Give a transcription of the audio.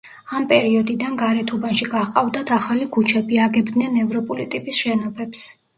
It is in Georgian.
ამ პერიოდიდან გარეთუბანში გაჰყავდათ ახალი ქუჩები, აგებდნენ ევროპული ტიპის შენობებს.